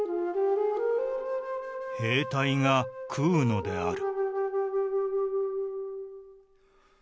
兵隊が食うのである」。